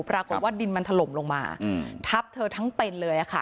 ปรากฏว่าดินมันถล่มลงมาทับเธอทั้งเป็นเลยค่ะ